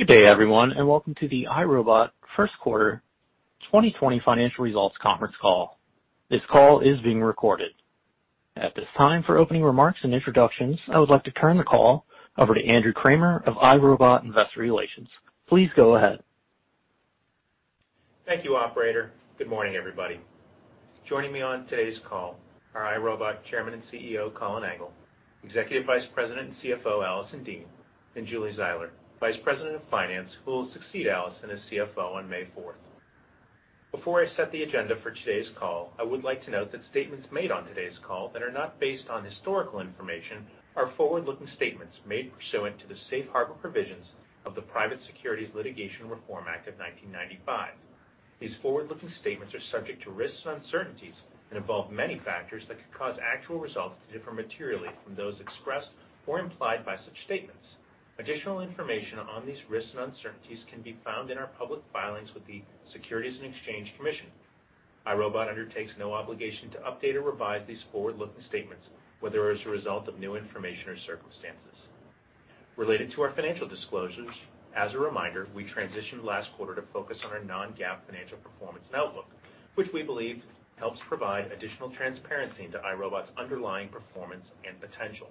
Good day, everyone, and welcome to the iRobot First Quarter 2020 Financial Results Conference Call. This call is being recorded. At this time, for opening remarks and introductions, I would like to turn the call over to Andrew Kramer of iRobot Investor Relations. Please go ahead. Thank you, Operator. Good morning, everybody. Joining me on today's call are iRobot Chairman and CEO Colin Angle, Executive Vice President and CFO Alison Dean, and Julie Zeiler, Vice President of Finance, who will succeed Alison as CFO on May 4th. Before I set the agenda for today's call, I would like to note that statements made on today's call that are not based on historical information are forward-looking statements made pursuant to the safe harbor provisions of the Private Securities Litigation Reform Act of 1995. These forward-looking statements are subject to risks and uncertainties and involve many factors that could cause actual results to differ materially from those expressed or implied by such statements. Additional information on these risks and uncertainties can be found in our public filings with the Securities and Exchange Commission. iRobot undertakes no obligation to update or revise these forward-looking statements, whether as a result of new information or circumstances. Related to our financial disclosures, as a reminder, we transitioned last quarter to focus on our non-GAAP financial performance and outlook, which we believe helps provide additional transparency into iRobot's underlying performance and potential.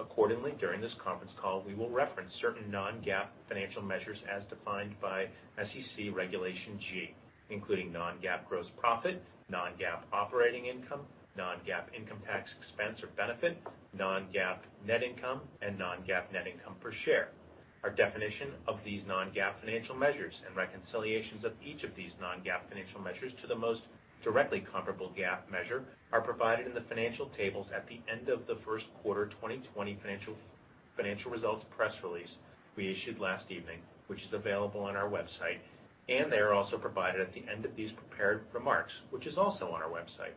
Accordingly, during this conference call, we will reference certain non-GAAP financial measures as defined by SEC Regulation G, including non-GAAP gross profit, non-GAAP operating income, non-GAAP income tax expense or benefit, non-GAAP net income, and non-GAAP net income per share. Our definition of these non-GAAP financial measures and reconciliations of each of these non-GAAP financial measures to the most directly comparable GAAP measure are provided in the financial tables at the end of the First Quarter 2020 Financial Results press release we issued last evening, which is available on our website, and they are also provided at the end of these prepared remarks, which is also on our website.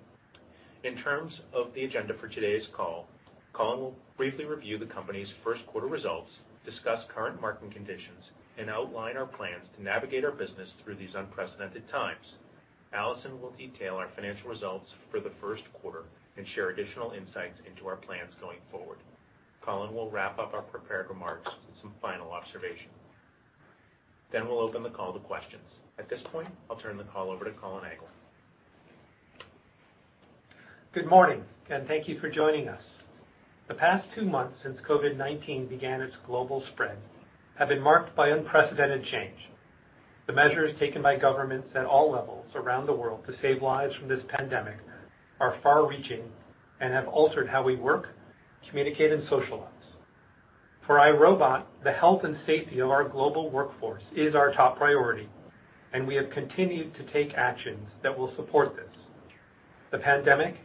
In terms of the agenda for today's call, Colin will briefly review the company's first quarter results, discuss current market conditions, and outline our plans to navigate our business through these unprecedented times. Alison will detail our financial results for the first quarter and share additional insights into our plans going forward. Colin will wrap up our prepared remarks with some final observations. Then we'll open the call to questions. At this point, I'll turn the call over to Colin Angle. Good morning, and thank you for joining us. The past two months since COVID-19 began its global spread have been marked by unprecedented change. The measures taken by governments at all levels around the world to save lives from this pandemic are far-reaching and have altered how we work, communicate, and socialize. For iRobot, the health and safety of our global workforce is our top priority, and we have continued to take actions that will support this. The pandemic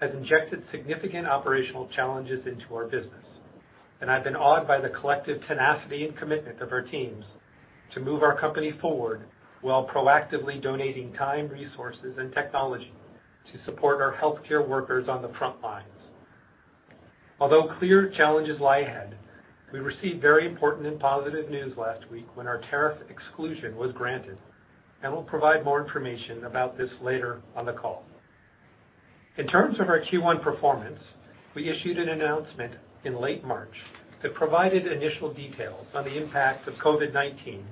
has injected significant operational challenges into our business, and I've been awed by the collective tenacity and commitment of our teams to move our company forward while proactively donating time, resources, and technology to support our healthcare workers on the front lines. Although clear challenges lie ahead, we received very important and positive news last week when our tariff exclusion was granted, and we'll provide more information about this later on the call. In terms of our Q1 performance, we issued an announcement in late March that provided initial details on the impact of COVID-19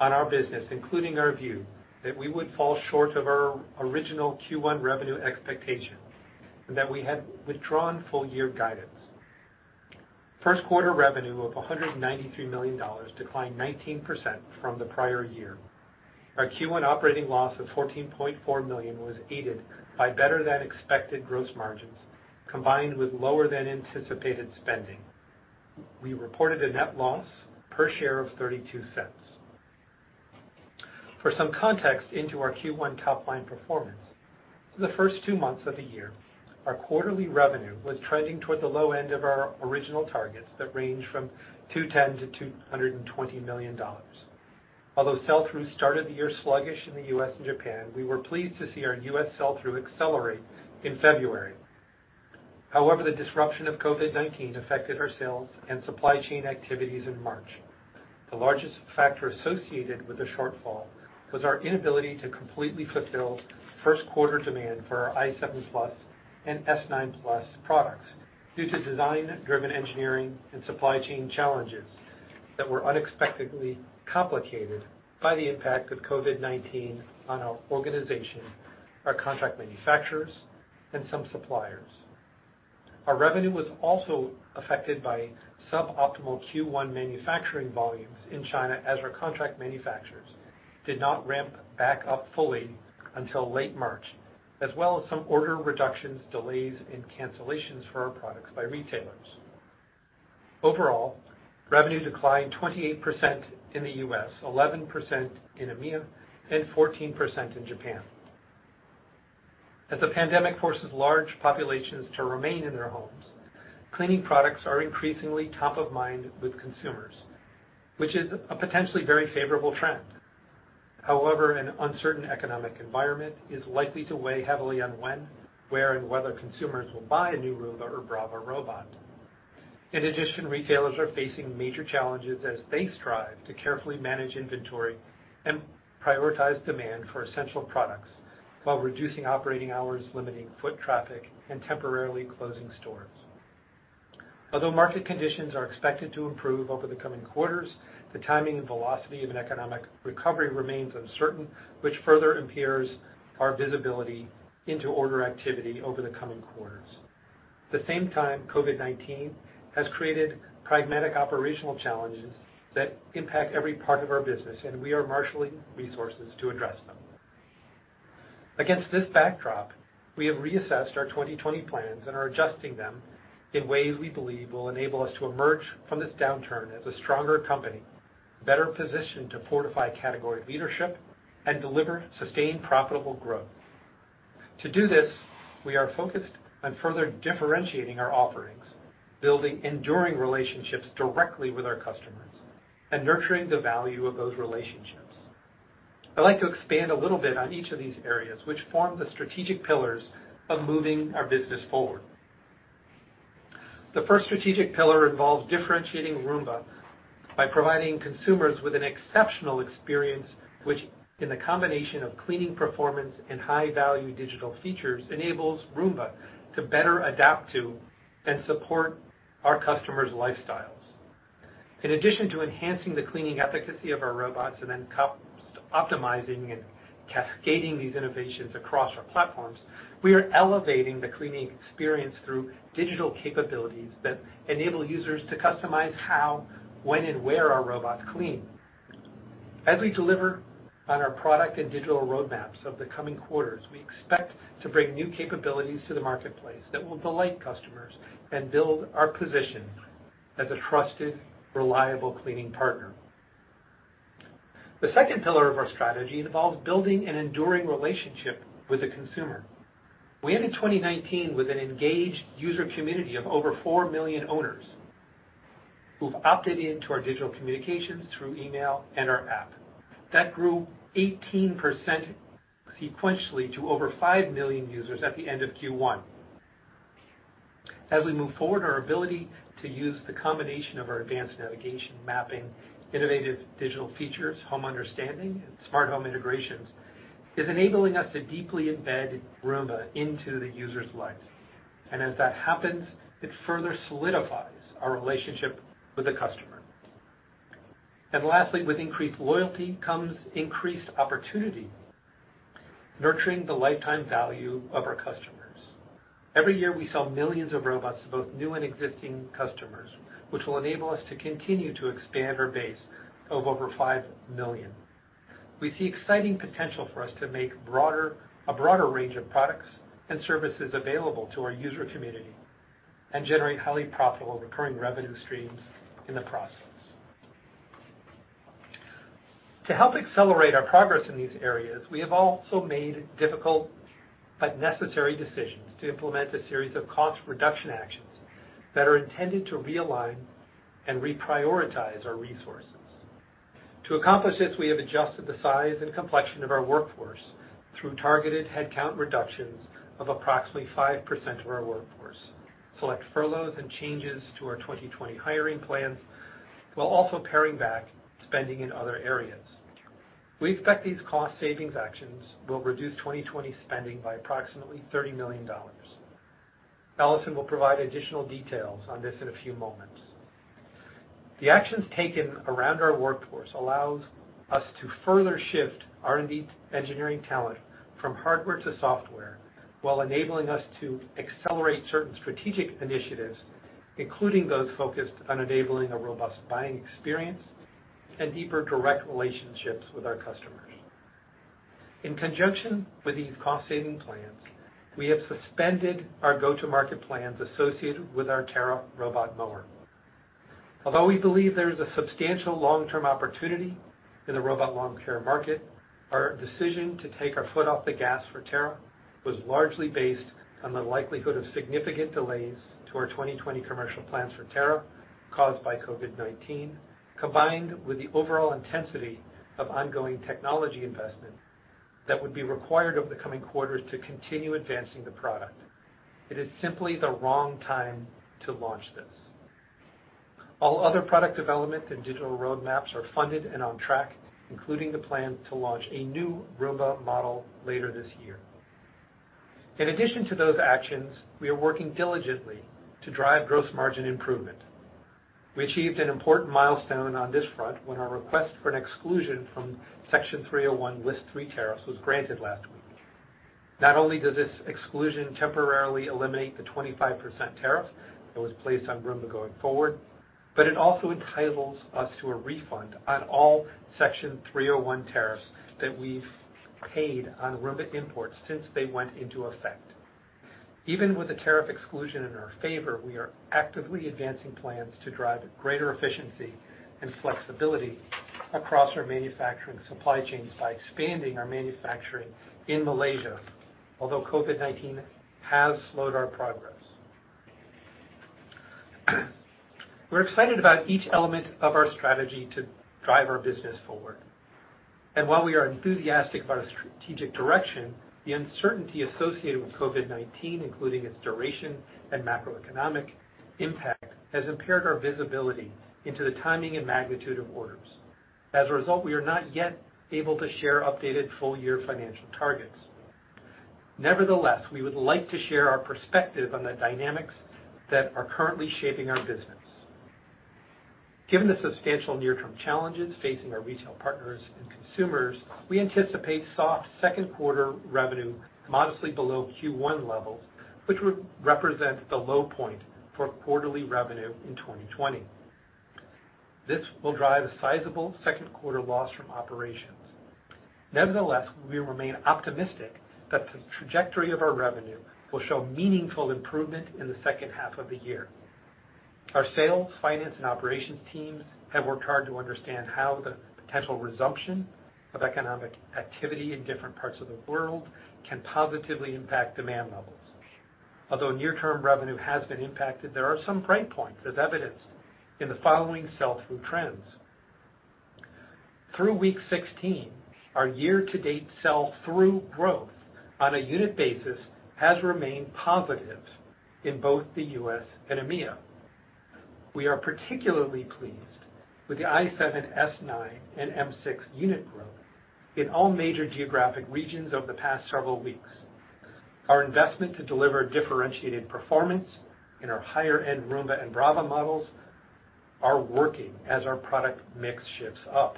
on our business, including our view that we would fall short of our original Q1 revenue expectation and that we had withdrawn full-year guidance. First quarter revenue of $193 million declined 19% from the prior year. Our Q1 operating loss of $14.4 million was aided by better-than-expected gross margins combined with lower-than-anticipated spending. We reported a net loss per share of $0.32. For some context into our Q1 top-line performance, for the first two months of the year, our quarterly revenue was trending toward the low end of our original targets that ranged from $210-$220 million. Although sell-through started the year sluggish in the U.S. and Japan, we were pleased to see our U.S. sell-through accelerate in February. However, the disruption of COVID-19 affected our sales and supply chain activities in March. The largest factor associated with the shortfall was our inability to completely fulfill first-quarter demand for our i7+ and s9+ products due to design-driven engineering and supply chain challenges that were unexpectedly complicated by the impact of COVID-19 on our organization, our contract manufacturers, and some suppliers. Our revenue was also affected by suboptimal Q1 manufacturing volumes in China as our contract manufacturers did not ramp back up fully until late March, as well as some order reductions, delays, and cancellations for our products by retailers. Overall, revenue declined 28% in the U.S., 11% in EMEA, and 14% in Japan. As the pandemic forces large populations to remain in their homes, cleaning products are increasingly top of mind with consumers, which is a potentially very favorable trend. However, an uncertain economic environment is likely to weigh heavily on when, where, and whether consumers will buy a new Roomba or Braava robot. In addition, retailers are facing major challenges as they strive to carefully manage inventory and prioritize demand for essential products while reducing operating hours, limiting foot traffic, and temporarily closing stores. Although market conditions are expected to improve over the coming quarters, the timing and velocity of an economic recovery remains uncertain, which further impairs our visibility into order activity over the coming quarters. At the same time, COVID-19 has created pragmatic operational challenges that impact every part of our business, and we are marshaling resources to address them. Against this backdrop, we have reassessed our 2020 plans and are adjusting them in ways we believe will enable us to emerge from this downturn as a stronger company, better positioned to fortify category leadership, and deliver sustained profitable growth. To do this, we are focused on further differentiating our offerings, building enduring relationships directly with our customers, and nurturing the value of those relationships. I'd like to expand a little bit on each of these areas, which form the strategic pillars of moving our business forward. The first strategic pillar involves differentiating Roomba by providing consumers with an exceptional experience, which, in the combination of cleaning performance and high-value digital features, enables Roomba to better adapt to and support our customers' lifestyles. In addition to enhancing the cleaning efficacy of our robots and then optimizing and cascading these innovations across our platforms, we are elevating the cleaning experience through digital capabilities that enable users to customize how, when, and where our robots clean. As we deliver on our product and digital roadmaps of the coming quarters, we expect to bring new capabilities to the marketplace that will delight customers and build our position as a trusted, reliable cleaning partner. The second pillar of our strategy involves building an enduring relationship with the consumer. We entered 2019 with an engaged user community of over four million owners who've opted into our digital communications through email and our app. That grew 18% sequentially to over five million users at the end of Q1. As we move forward, our ability to use the combination of our advanced navigation, mapping, innovative digital features, home understanding, and smart home integrations is enabling us to deeply embed Roomba into the user's life, and as that happens, it further solidifies our relationship with the customer, and lastly, with increased loyalty comes increased opportunity, nurturing the lifetime value of our customers. Every year, we sell millions of robots to both new and existing customers, which will enable us to continue to expand our base of over five million. We see exciting potential for us to make a broader range of products and services available to our user community and generate highly profitable recurring revenue streams in the process. To help accelerate our progress in these areas, we have also made difficult but necessary decisions to implement a series of cost reduction actions that are intended to realign and reprioritize our resources. To accomplish this, we have adjusted the size and complexion of our workforce through targeted headcount reductions of approximately 5% of our workforce, select furloughs, and changes to our 2020 hiring plans, while also paring back spending in other areas. We expect these cost savings actions will reduce 2020 spending by approximately $30 million. Alison will provide additional details on this in a few moments. The actions taken around our workforce allow us to further shift R&D engineering talent from hardware to software while enabling us to accelerate certain strategic initiatives, including those focused on enabling a robust buying experience and deeper direct relationships with our customers. In conjunction with these cost saving plans, we have suspended our go-to-market plans associated with our Terra robot mower. Although we believe there is a substantial long-term opportunity in the robot lawn care market, our decision to take our foot off the gas for Terra was largely based on the likelihood of significant delays to our 2020 commercial plans for Terra caused by COVID-19, combined with the overall intensity of ongoing technology investment that would be required over the coming quarters to continue advancing the product. It is simply the wrong time to launch this. All other product development and digital roadmaps are funded and on track, including the plan to launch a new Roomba model later this year. In addition to those actions, we are working diligently to drive gross margin improvement. We achieved an important milestone on this front when our request for an exclusion from Section 301 List 3 tariffs was granted last week. Not only does this exclusion temporarily eliminate the 25% tariff that was placed on Roomba going forward, but it also entitles us to a refund on all Section 301 tariffs that we've paid on Roomba imports since they went into effect. Even with the tariff exclusion in our favor, we are actively advancing plans to drive greater efficiency and flexibility across our manufacturing supply chains by expanding our manufacturing in Malaysia, although COVID-19 has slowed our progress. We're excited about each element of our strategy to drive our business forward. And while we are enthusiastic about our strategic direction, the uncertainty associated with COVID-19, including its duration and macroeconomic impact, has impaired our visibility into the timing and magnitude of orders. As a result, we are not yet able to share updated full-year financial targets. Nevertheless, we would like to share our perspective on the dynamics that are currently shaping our business. Given the substantial near-term challenges facing our retail partners and consumers, we anticipate soft second-quarter revenue modestly below Q1 levels, which would represent the low point for quarterly revenue in 2020. This will drive a sizable second-quarter loss from operations. Nevertheless, we remain optimistic that the trajectory of our revenue will show meaningful improvement in the second half of the year. Our sales, finance, and operations teams have worked hard to understand how the potential resumption of economic activity in different parts of the world can positively impact demand levels. Although near-term revenue has been impacted, there are some breakpoints as evidenced in the following sell-through trends. Through week 16, our year-to-date sell-through growth on a unit basis has remained positive in both the U.S. and EMEA. We are particularly pleased with the i7, s9, and m6 unit growth in all major geographic regions over the past several weeks. Our investment to deliver differentiated performance in our higher-end Roomba and Braava models is working as our product mix shifts up.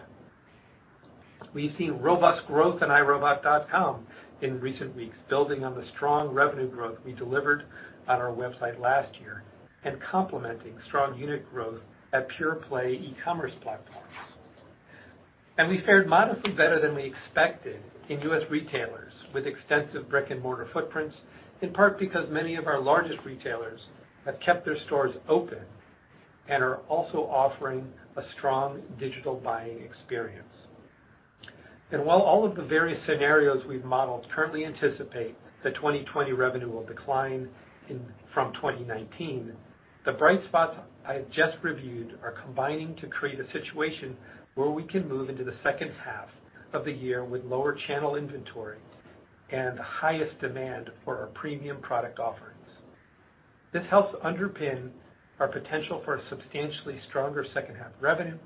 We've seen robust growth in iRobot.com in recent weeks, building on the strong revenue growth we delivered on our website last year and complementing strong unit growth at PurePlay e-commerce platforms. And we fared modestly better than we expected in U.S. retailers with extensive brick-and-mortar footprints, in part because many of our largest retailers have kept their stores open and are also offering a strong digital buying experience. And while all of the various scenarios we've modeled currently anticipate that 2020 revenue will decline from 2019, the bright spots I have just reviewed are combining to create a situation where we can move into the second half of the year with lower channel inventory and the highest demand for our premium product offerings. This helps underpin our potential for a substantially stronger second-half revenue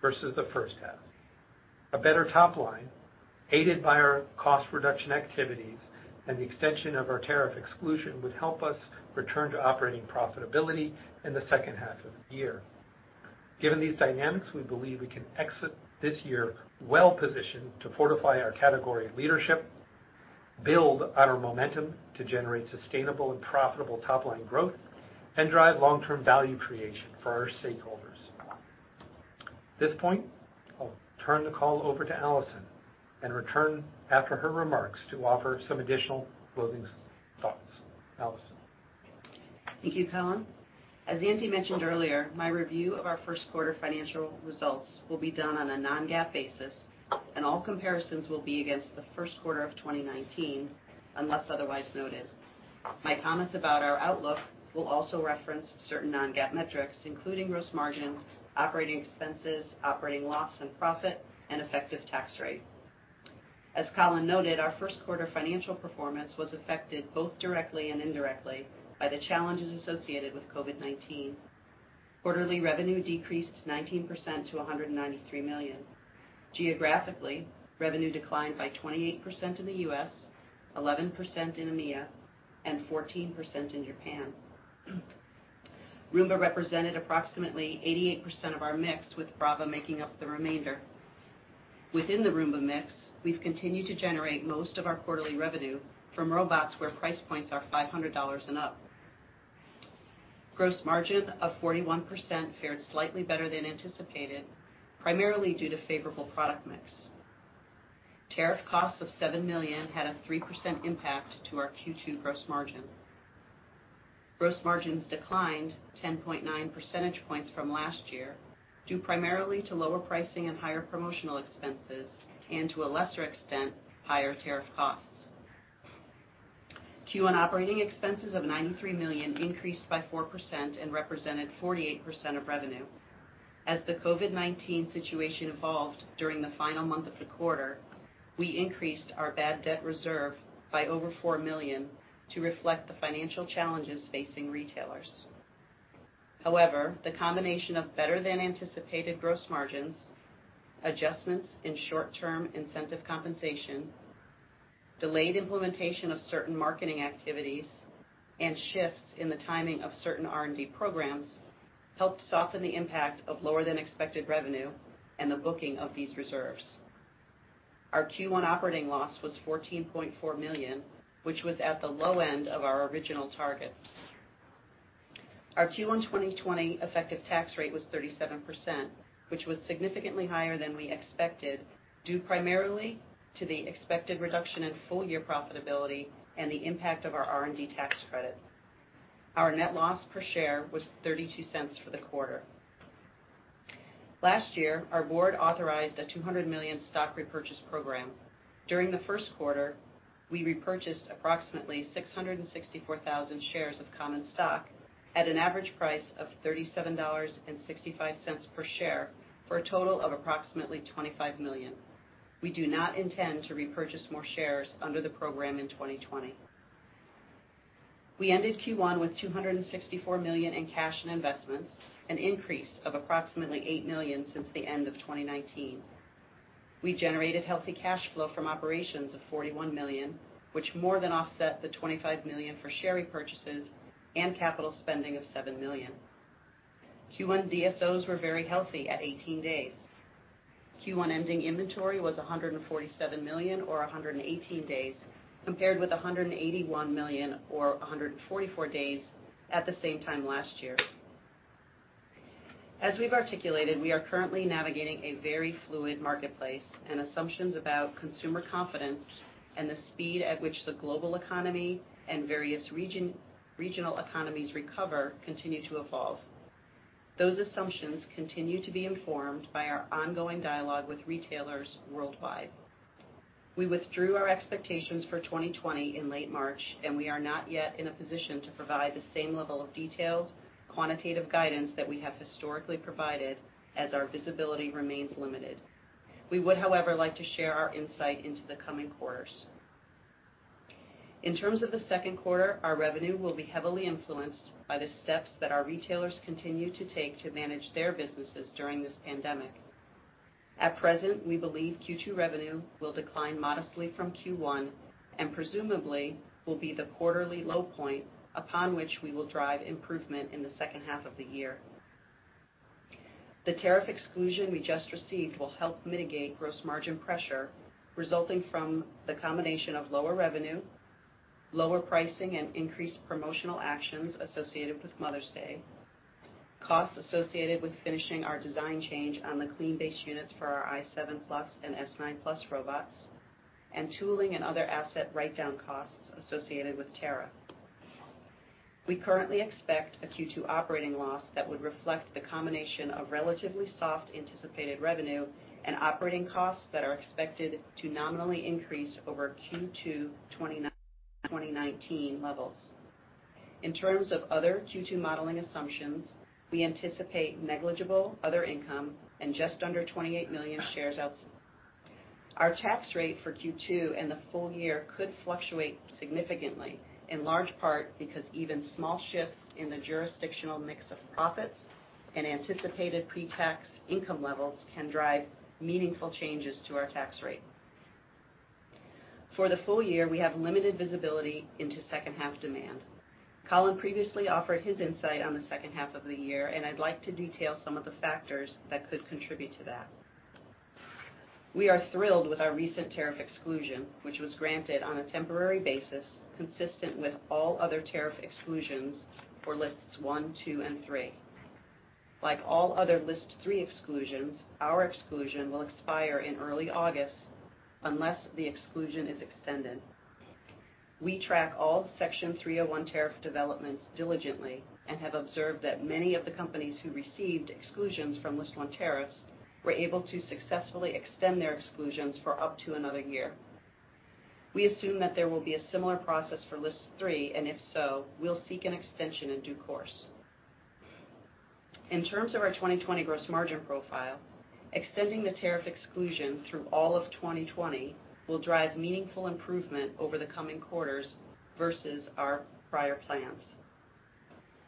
versus the first half. A better top line, aided by our cost reduction activities and the extension of our tariff exclusion, would help us return to operating profitability in the second half of the year. Given these dynamics, we believe we can exit this year well-positioned to fortify our category leadership, build on our momentum to generate sustainable and profitable top-line growth, and drive long-term value creation for our stakeholders. At this point, I'll turn the call over to Alison and return after her remarks to offer some additional closing thoughts. Alison. Thank you, Colin. As [Andrew] mentioned earlier, my review of our first-quarter financial results will be done on a non-GAAP basis, and all comparisons will be against the first quarter of 2019 unless otherwise noted. My comments about our outlook will also reference certain non-GAAP metrics, including gross margins, operating expenses, operating loss and profit, and effective tax rate. As Colin noted, our first-quarter financial performance was affected both directly and indirectly by the challenges associated with COVID-19. Quarterly revenue decreased 19% to $193 million. Geographically, revenue declined by 28% in the U.S., 11% in EMEA, and 14% in Japan. Roomba represented approximately 88% of our mix, with Braava making up the remainder. Within the Roomba mix, we've continued to generate most of our quarterly revenue from robots where price points are $500 and up. Gross margin of 41% fared slightly better than anticipated, primarily due to favorable product mix. Tariff costs of $7 million had a 3% impact to our Q2 gross margin. Gross margins declined 10.9 percentage points from last year due primarily to lower pricing and higher promotional expenses, and to a lesser extent, higher tariff costs. Q1 operating expenses of $93 million increased by 4% and represented 48% of revenue. As the COVID-19 situation evolved during the final month of the quarter, we increased our bad debt reserve by over $4 million to reflect the financial challenges facing retailers. However, the combination of better-than-anticipated gross margins, adjustments in short-term incentive compensation, delayed implementation of certain marketing activities, and shifts in the timing of certain R&D programs helped soften the impact of lower-than-expected revenue and the booking of these reserves. Our Q1 operating loss was $14.4 million, which was at the low end of our original target. Our Q1 2020 effective tax rate was 37%, which was significantly higher than we expected due primarily to the expected reduction in full-year profitability and the impact of our R&D tax credit. Our net loss per share was $0.32 for the quarter. Last year, our board authorized a $200 million stock repurchase program. During the first quarter, we repurchased approximately 664,000 shares of common stock at an average price of $37.65 per share for a total of approximately $25 million. We do not intend to repurchase more shares under the program in 2020. We ended Q1 with $264 million in cash and investments, an increase of approximately $8 million since the end of 2019. We generated healthy cash flow from operations of $41 million, which more than offset the $25 million for share repurchases and capital spending of $7 million. Q1 DSOs were very healthy at 18 days. Q1 ending inventory was $147 million, or 118 days, compared with $181 million, or 144 days, at the same time last year. As we've articulated, we are currently navigating a very fluid marketplace, and assumptions about consumer confidence and the speed at which the global economy and various regional economies recover continue to evolve. Those assumptions continue to be informed by our ongoing dialogue with retailers worldwide. We withdrew our expectations for 2020 in late March, and we are not yet in a position to provide the same level of detailed quantitative guidance that we have historically provided as our visibility remains limited. We would, however, like to share our insight into the coming quarters. In terms of the second quarter, our revenue will be heavily influenced by the steps that our retailers continue to take to manage their businesses during this pandemic. At present, we believe Q2 revenue will decline modestly from Q1 and presumably will be the quarterly low point upon which we will drive improvement in the second half of the year. The tariff exclusion we just received will help mitigate gross margin pressure resulting from the combination of lower revenue, lower pricing, and increased promotional actions associated with Mother's Day, costs associated with finishing our design change on the Clean Base units for our i7+ and s9+ robots, and tooling and other asset write-down costs associated with Terra. We currently expect a Q2 operating loss that would reflect the combination of relatively soft anticipated revenue and operating costs that are expected to nominally increase over Q2 2019 levels. In terms of other Q2 modeling assumptions, we anticipate negligible other income and just under 28 million shares outstanding. Our tax rate for Q2 and the full year could fluctuate significantly, in large part because even small shifts in the jurisdictional mix of profits and anticipated pre-tax income levels can drive meaningful changes to our tax rate. For the full year, we have limited visibility into second-half demand. Colin previously offered his insight on the second half of the year, and I'd like to detail some of the factors that could contribute to that. We are thrilled with our recent tariff exclusion, which was granted on a temporary basis consistent with all other tariff exclusions for lists one, two, and three. Like all other List 3 exclusions, our exclusion will expire in early August unless the exclusion is extended. We track all Section 301 tariff developments diligently and have observed that many of the companies who received exclusions from list one tariffs were able to successfully extend their exclusions for up to another year. We assume that there will be a similar process for List 3, and if so, we'll seek an extension in due course. In terms of our 2020 gross margin profile, extending the tariff exclusion through all of 2020 will drive meaningful improvement over the coming quarters versus our prior plans.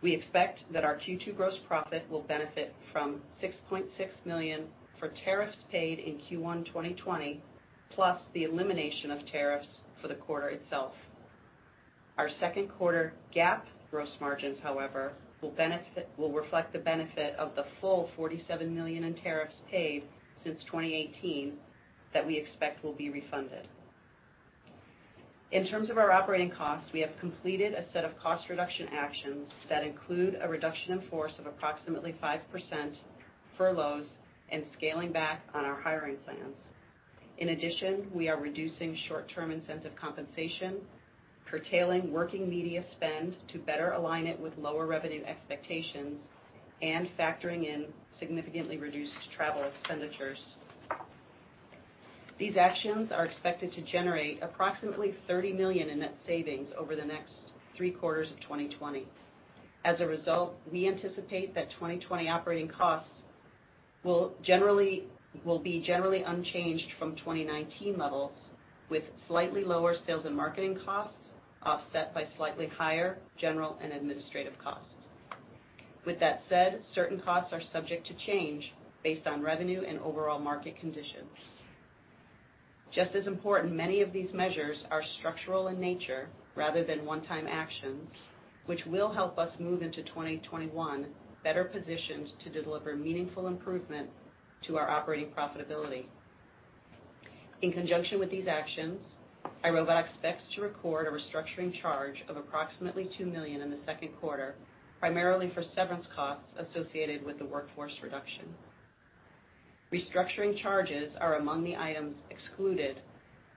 We expect that our Q2 gross profit will benefit from $6.6 million for tariffs paid in Q1 2020, plus the elimination of tariffs for the quarter itself. Our second quarter GAAP gross margins, however, will reflect the benefit of the full $47 million in tariffs paid since 2018 that we expect will be refunded. In terms of our operating costs, we have completed a set of cost reduction actions that include a reduction in force of approximately 5% furloughs and scaling back on our hiring plans. In addition, we are reducing short-term incentive compensation, curtailing working media spend to better align it with lower revenue expectations, and factoring in significantly reduced travel expenditures. These actions are expected to generate approximately $30 million in net savings over the next three quarters of 2020. As a result, we anticipate that 2020 operating costs will be generally unchanged from 2019 levels, with slightly lower sales and marketing costs offset by slightly higher general and administrative costs. With that said, certain costs are subject to change based on revenue and overall market conditions. Just as important, many of these measures are structural in nature rather than one-time actions, which will help us move into 2021 better positioned to deliver meaningful improvement to our operating profitability. In conjunction with these actions, iRobot expects to record a restructuring charge of approximately $2 million in the second quarter, primarily for severance costs associated with the workforce reduction. Restructuring charges are among the items excluded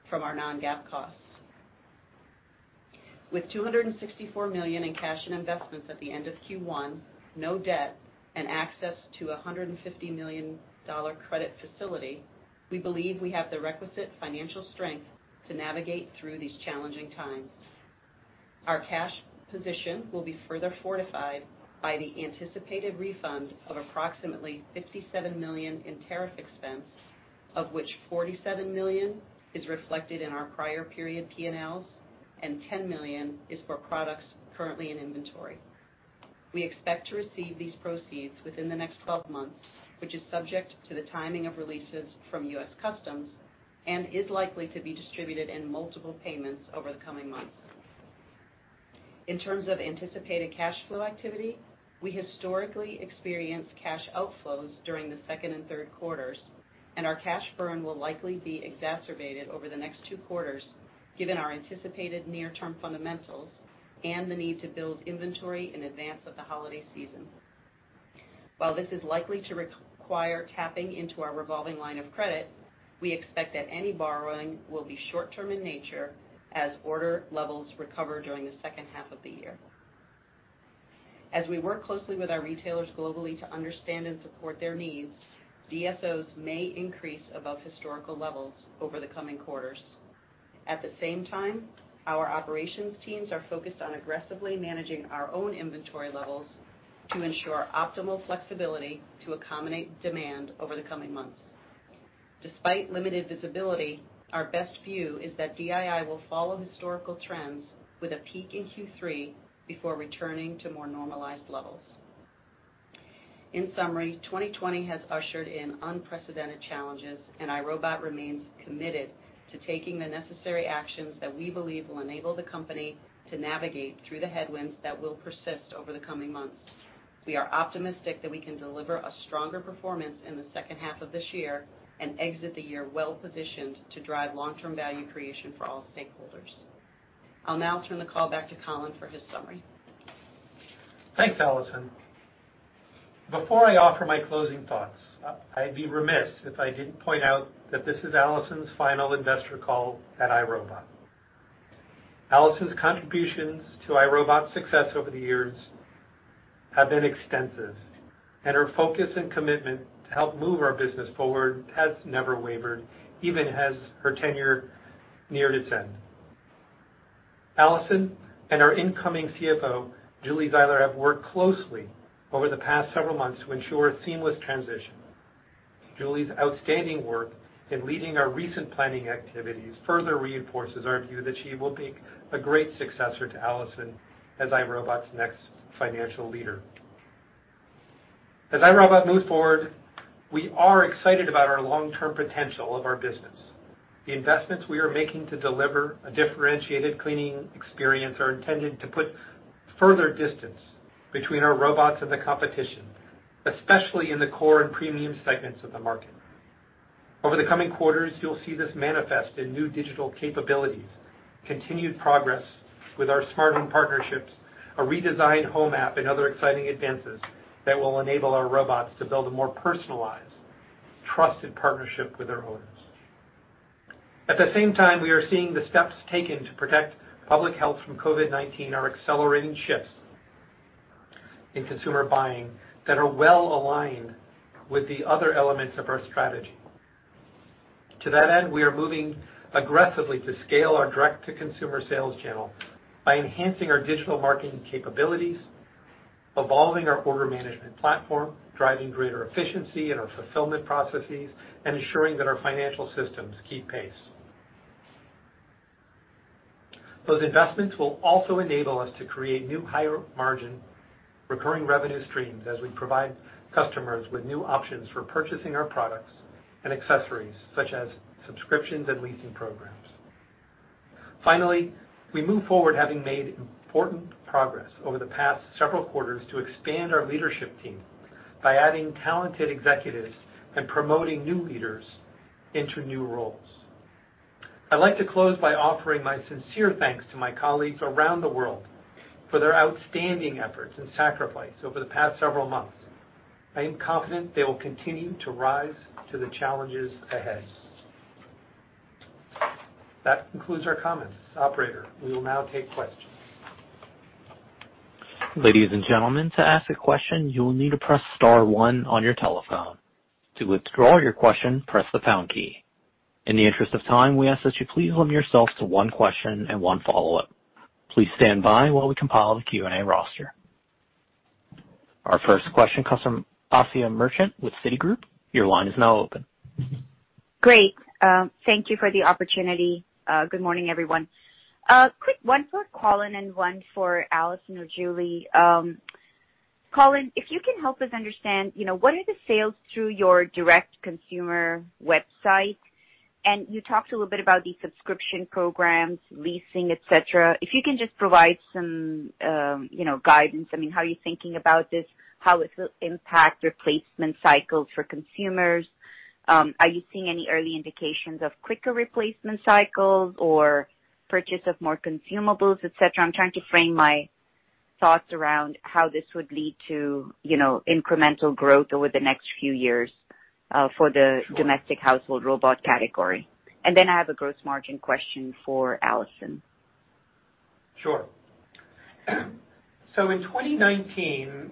from our non-GAAP costs. With $264 million in cash and investments at the end of Q1, no debt, and access to a $150 million credit facility, we believe we have the requisite financial strength to navigate through these challenging times. Our cash position will be further fortified by the anticipated refund of approximately $57 million in tariff expense, of which $47 million is reflected in our prior period P&Ls and $10 million is for products currently in inventory. We expect to receive these proceeds within the next 12 months, which is subject to the timing of releases from U.S. Customs and is likely to be distributed in multiple payments over the coming months. In terms of anticipated cash flow activity, we historically experienced cash outflows during the second and third quarters, and our cash burn will likely be exacerbated over the next two quarters given our anticipated near-term fundamentals and the need to build inventory in advance of the holiday season. While this is likely to require tapping into our revolving line of credit, we expect that any borrowing will be short-term in nature as order levels recover during the second half of the year. As we work closely with our retailers globally to understand and support their needs, DSOs may increase above historical levels over the coming quarters. At the same time, our operations teams are focused on aggressively managing our own inventory levels to ensure optimal flexibility to accommodate demand over the coming months. Despite limited visibility, our best view is that DII will follow historical trends with a peak in Q3 before returning to more normalized levels. In summary, 2020 has ushered in unprecedented challenges, and iRobot remains committed to taking the necessary actions that we believe will enable the company to navigate through the headwinds that will persist over the coming months. We are optimistic that we can deliver a stronger performance in the second half of this year and exit the year well-positioned to drive long-term value creation for all stakeholders. I'll now turn the call back to Colin for his summary. Thanks, Alison. Before I offer my closing thoughts, I'd be remiss if I didn't point out that this is Alison's final investor call at iRobot. Alison's contributions to iRobot's success over the years have been extensive, and her focus and commitment to help move our business forward has never wavered, even as her tenure neared its end. Alison and our incoming CFO, Julie Zeiler, have worked closely over the past several months to ensure a seamless transition. Julie's outstanding work in leading our recent planning activities further reinforces our view that she will be a great successor to Alison as iRobot's next financial leader. As iRobot moves forward, we are excited about our long-term potential of our business. The investments we are making to deliver a differentiated cleaning experience are intended to put further distance between our robots and the competition, especially in the core and premium segments of the market. Over the coming quarters, you'll see this manifest in new digital capabilities, continued progress with our smart home partnerships, a redesigned home app, and other exciting advances that will enable our robots to build a more personalized, trusted partnership with their owners. At the same time, we are seeing the steps taken to protect public health from COVID-19 are accelerating shifts in consumer buying that are well aligned with the other elements of our strategy. To that end, we are moving aggressively to scale our direct-to-consumer sales channel by enhancing our digital marketing capabilities, evolving our order management platform, driving greater efficiency in our fulfillment processes, and ensuring that our financial systems keep pace. Those investments will also enable us to create new higher-margin recurring revenue streams as we provide customers with new options for purchasing our products and accessories such as subscriptions and leasing programs. Finally, we move forward having made important progress over the past several quarters to expand our leadership team by adding talented executives and promoting new leaders into new roles. I'd like to close by offering my sincere thanks to my colleagues around the world for their outstanding efforts and sacrifice over the past several months. I am confident they will continue to rise to the challenges ahead. That concludes our comments. Operator, we will now take questions. Ladies and gentlemen, to ask a question, you will need to press star one on your telephone. To withdraw your question, press the pound key. In the interest of time, we ask that you please limit yourself to one question and one follow-up. Please stand by while we compile the Q&A roster. Our first question comes from Asiya Merchant with Citigroup. Your line is now open. Great. Thank you for the opportunity. Good morning, everyone. Quick one for Colin and one for Alison or Julie. Colin, if you can help us understand, what are the sales through your direct consumer website? And you talked a little bit about these subscription programs, leasing, etc. If you can just provide some guidance, I mean, how are you thinking about this, how it will impact replacement cycles for consumers? Are you seeing any early indications of quicker replacement cycles or purchase of more consumables, etc.? I'm trying to frame my thoughts around how this would lead to incremental growth over the next few years for the domestic household robot category and then I have a gross margin question for Alison. Sure. So in 2019,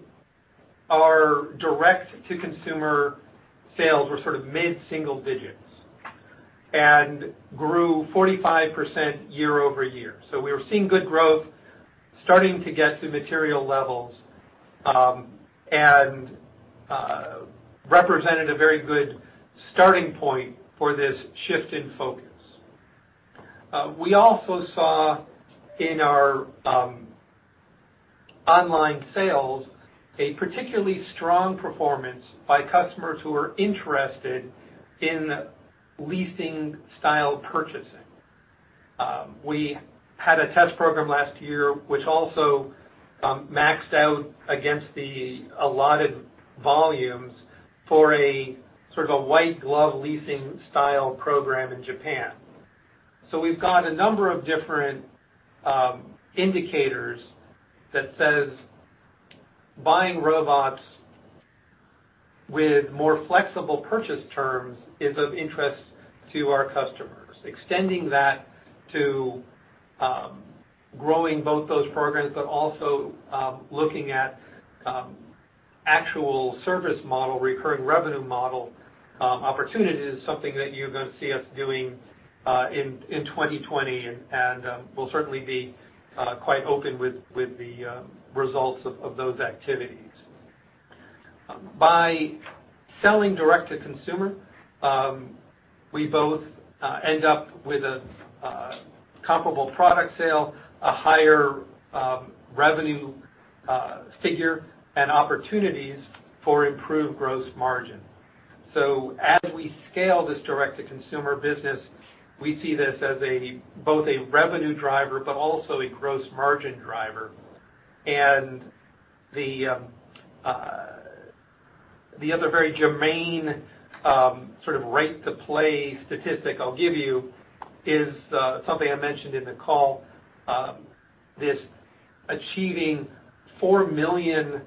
our direct-to-consumer sales were sort of mid-single digits and grew 45% year-over-year. So we were seeing good growth, starting to get to material levels, and represented a very good starting point for this shift in focus. We also saw in our online sales a particularly strong performance by customers who are interested in leasing-style purchasing. We had a test program last year, which also maxed out against the allotted volumes for a sort of a white glove leasing-style program in Japan. So we've got a number of different indicators that say buying robots with more flexible purchase terms is of interest to our customers. Extending that to growing both those programs, but also looking at actual service model, recurring revenue model opportunities is something that you're going to see us doing in 2020, and we'll certainly be quite open with the results of those activities. By selling direct-to-consumer, we both end up with a comparable product sale, a higher revenue figure, and opportunities for improved gross margin. So as we scale this direct-to-consumer business, we see this as both a revenue driver but also a gross margin driver. And the other very germane sort of right-to-play statistic I'll give you is something I mentioned in the call, this achieving 4 million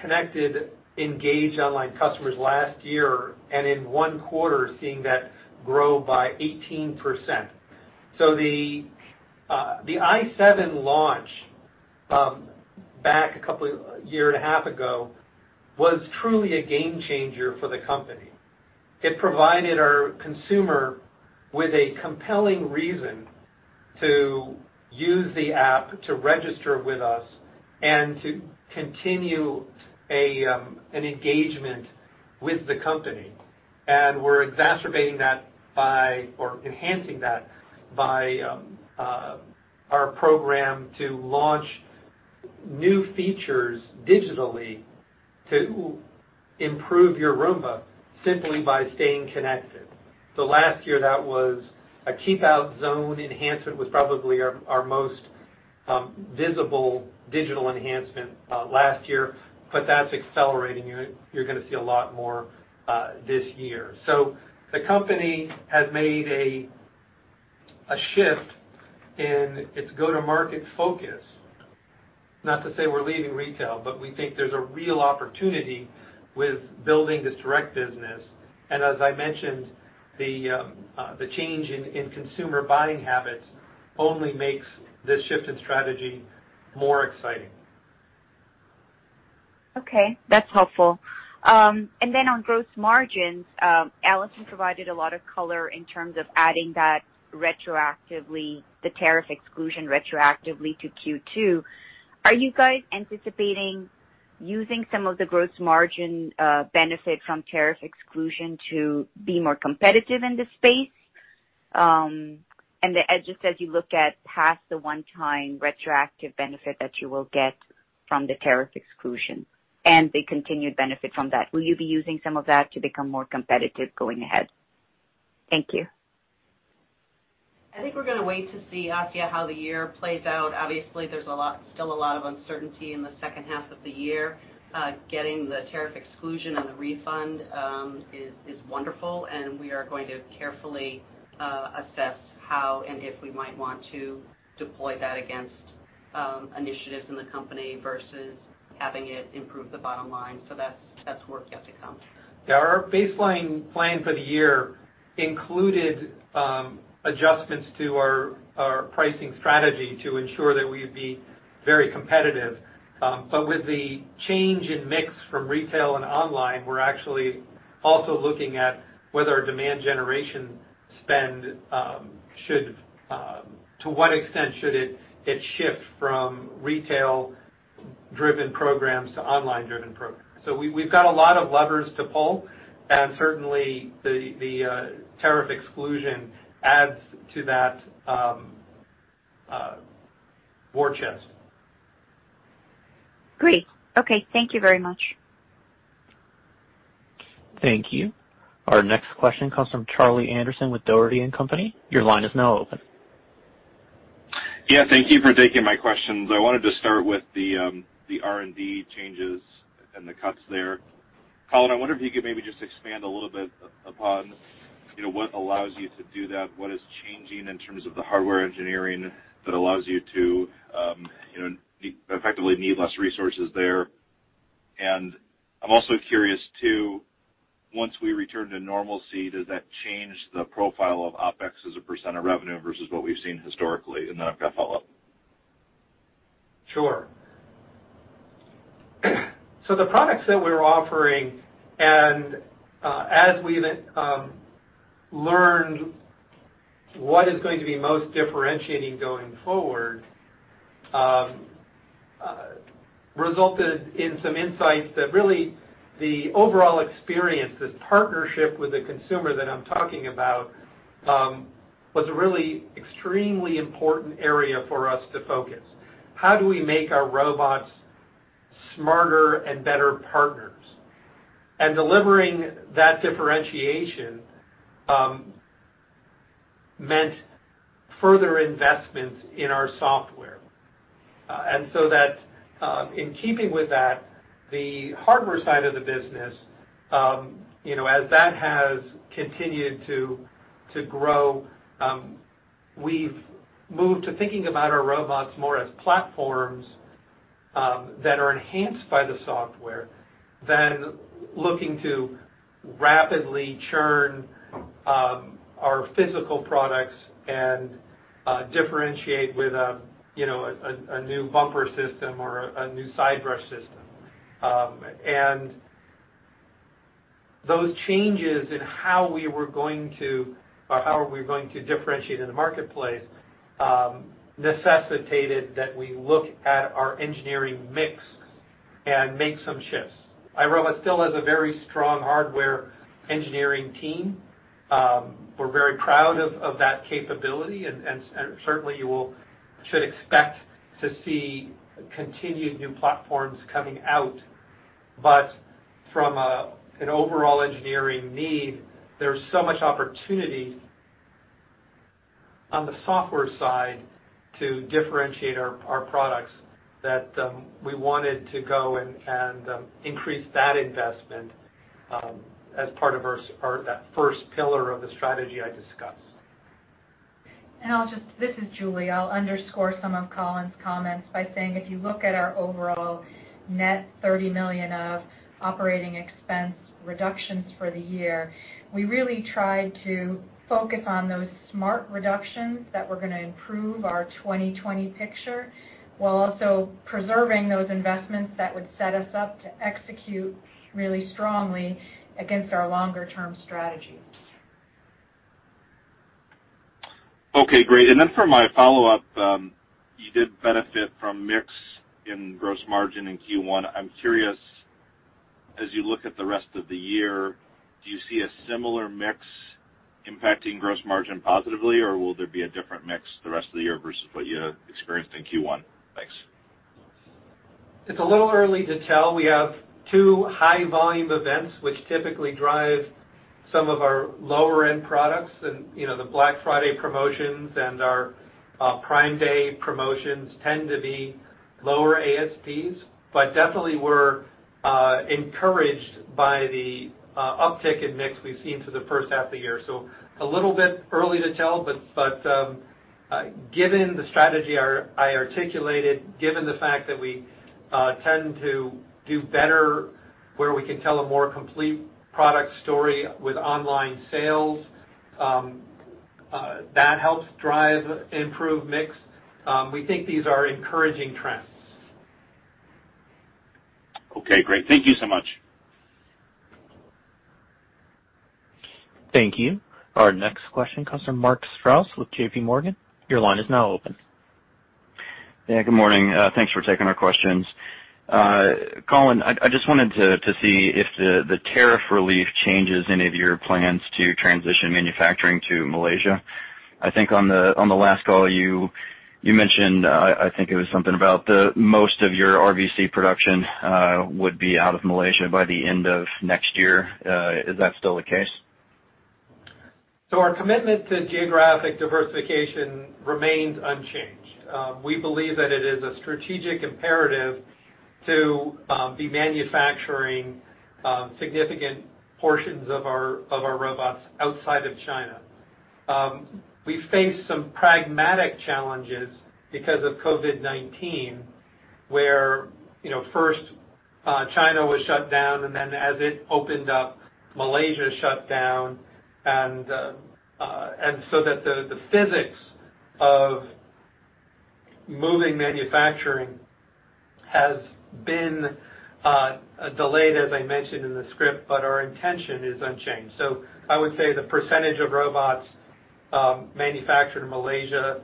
connected, engaged online customers last year, and in one quarter seeing that grow by 18%. So the i7 launch back a year and a half ago was truly a game changer for the company. It provided our consumer with a compelling reason to use the app, to register with us, and to continue an engagement with the company. And we're exacerbating that by or enhancing that by our program to launch new features digitally to improve your Roomba simply by staying connected. So last year, that was a keep-out zone enhancement, was probably our most visible digital enhancement last year, but that's accelerating. You're going to see a lot more this year. So the company has made a shift in its go-to-market focus. Not to say we're leaving retail, but we think there's a real opportunity with building this direct business. And as I mentioned, the change in consumer buying habits only makes this shift in strategy more exciting. Okay. That's helpful. And then on gross margins, Alison provided a lot of color in terms of adding that retroactively, the tariff exclusion retroactively to Q2. Are you guys anticipating using some of the gross margin benefit from tariff exclusion to be more competitive in this space? And just as you look at past the one-time retroactive benefit that you will get from the tariff exclusion and the continued benefit from that, will you be using some of that to become more competitive going ahead? Thank you. I think we're going to wait to see, Asiya, how the year plays out. Obviously, there's still a lot of uncertainty in the second half of the year. Getting the tariff exclusion and the refund is wonderful, and we are going to carefully assess how and if we might want to deploy that against initiatives in the company versus having it improve the bottom line. So that's work yet to come. Yeah. Our baseline plan for the year included adjustments to our pricing strategy to ensure that we'd be very competitive. But with the change in mix from retail and online, we're actually also looking at whether our demand generation spend should, to what extent should it shift from retail-driven programs to online-driven programs. So we've got a lot of levers to pull, and certainly the tariff exclusion adds to that war chest. Great. Okay. Thank you very much. Thank you. Our next question comes from Charlie Anderson with Dougherty & Company. Your line is now open. Yeah. Thank you for taking my questions. I wanted to start with the R&D changes and the cuts there. Colin, I wonder if you could maybe just expand a little bit upon what allows you to do that, what is changing in terms of the hardware engineering that allows you to effectively need less resources there? And I'm also curious too, once we return to normalcy, does that change the profile of OpEx as a percent of revenue versus what we've seen historically? And then I've got a follow-up. Sure, so the products that we're offering and as we've learned what is going to be most differentiating going forward resulted in some insights that really the overall experience, this partnership with the consumer that I'm talking about, was a really extremely important area for us to focus. How do we make our robots smarter and better partners, and delivering that differentiation meant further investments in our software, and so that in keeping with that, the hardware side of the business, as that has continued to grow, we've moved to thinking about our robots more as platforms that are enhanced by the software than looking to rapidly churn our physical products and differentiate with a new bumper system or a new side brush system. Those changes in how we were going to differentiate in the marketplace necessitated that we look at our engineering mix and make some shifts. iRobot still has a very strong hardware engineering team. We're very proud of that capability, and certainly you should expect to see continued new platforms coming out. From an overall engineering need, there's so much opportunity on the software side to differentiate our products that we wanted to go and increase that investment as part of that first pillar of the strategy I discussed. This is Julie. I'll underscore some of Colin's comments by saying if you look at our overall net $30 million of operating expense reductions for the year, we really tried to focus on those smart reductions that were going to improve our 2020 picture while also preserving those investments that would set us up to execute really strongly against our longer-term strategy. Okay. Great. And then for my follow-up, you did benefit from mix in gross margin in Q1. I'm curious, as you look at the rest of the year, do you see a similar mix impacting gross margin positively, or will there be a different mix the rest of the year versus what you experienced in Q1? Thanks. It's a little early to tell. We have two high-volume events, which typically drive some of our lower-end products, and the Black Friday promotions and our Prime Day promotions tend to be lower ASPs. But definitely, we're encouraged by the uptick in mix we've seen through the first half of the year. So a little bit early to tell, but given the strategy I articulated, given the fact that we tend to do better where we can tell a more complete product story with online sales, that helps drive improved mix. We think these are encouraging trends. Okay. Great. Thank you so much. Thank you. Our next question comes from Mark Strouse with JPMorgan. Your line is now open. Yeah. Good morning. Thanks for taking our questions. Colin, I just wanted to see if the tariff relief changes any of your plans to transition manufacturing to Malaysia. I think on the last call, you mentioned, I think it was something about most of your RVC production would be out of Malaysia by the end of next year. Is that still the case? So our commitment to geographic diversification remains unchanged. We believe that it is a strategic imperative to be manufacturing significant portions of our robots outside of China. We faced some pragmatic challenges because of COVID-19, where first China was shut down, and then as it opened up, Malaysia shut down. And so that the physics of moving manufacturing has been delayed, as I mentioned in the script, but our intention is unchanged. So I would say the percentage of robots manufactured in Malaysia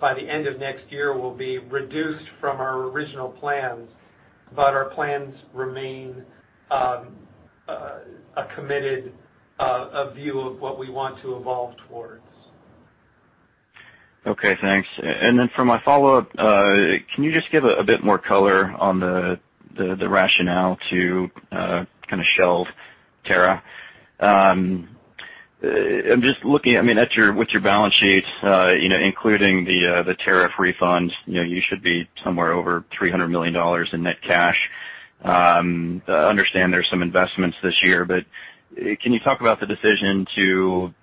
by the end of next year will be reduced from our original plans, but our plans remain a committed view of what we want to evolve towards. Okay. Thanks. And then for my follow-up, can you just give a bit more color on the rationale to kind of shelve Terra? I'm just looking, I mean, at your balance sheet, including the tariff refunds. You should be somewhere over $300 million in net cash. I understand there's some investments this year, but can you talk about the decision to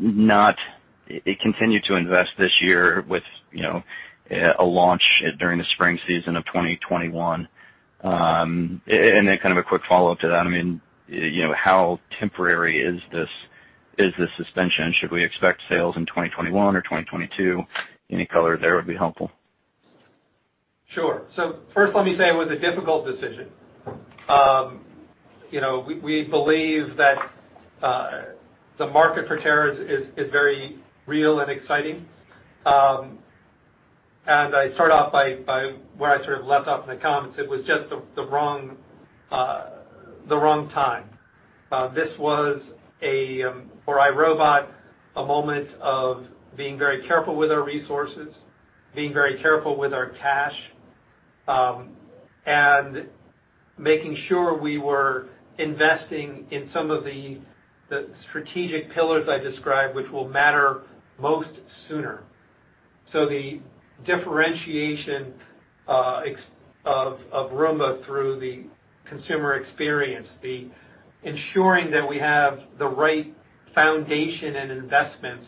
not continue to invest this year with a launch during the spring season of 2021? And then kind of a quick follow-up to that, I mean, how temporary is this suspension? Should we expect sales in 2021 or 2022? Any color there would be helpful. Sure, so first, let me say it was a difficult decision. We believe that the market for Terra is very real and exciting, and I start off by where I sort of left off in the comments. It was just the wrong time. This was, for iRobot, a moment of being very careful with our resources, being very careful with our cash, and making sure we were investing in some of the strategic pillars I described, which will matter most sooner, so the differentiation of Roomba through the consumer experience, ensuring that we have the right foundation and investments